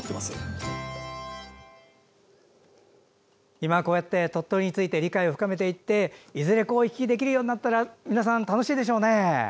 今こうやって鳥取について理解を深めていって、いずれ行き来できるようになったら皆さん、楽しいでしょうね。